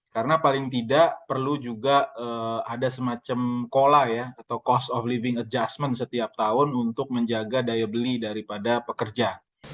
karena paling tidak perlu juga ada semacam kola ya atau cost of living adjustment setiap tahun untuk menjaga daya beli daripada pekerja